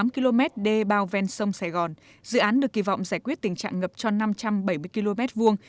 một mươi km đê bao ven sông sài gòn dự án được kỳ vọng giải quyết tình trạng ngập cho năm trăm bảy mươi km vuông